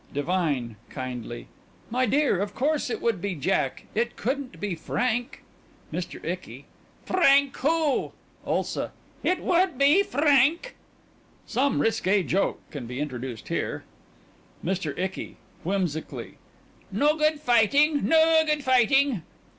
DIVINE: (Kindly) My dear, of course, it would be Jack. It couldn't be Frank. MR. ICKY: Frank who? ULSA: It would be Frank! (Some risqué joke can be introduced here.) MR. ICKY: (Whimsically) No good fighting...no good fighting...